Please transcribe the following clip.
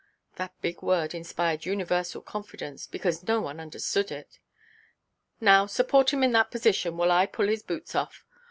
That big word inspired universal confidence, because no one understood it. "Now, support him in that position, while I pull his boots off.